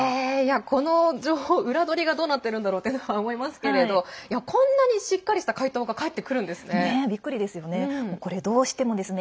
この情報、裏取りがどうなってるんだろうというのは思いますけれどこんなに、しっかりした回答がびっくりですよね。